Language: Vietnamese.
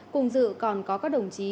cùng dự còn có các đồng chí